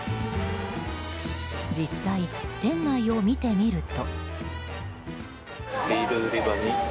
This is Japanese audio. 実際、店内を見てみると。